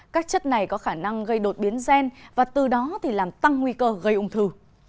các chất này có khả năng gây đột biến gen và từ đó thì làm tăng nguy cơ gây ung thư